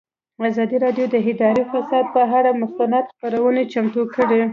ازادي راډیو د اداري فساد پر اړه مستند خپرونه چمتو کړې.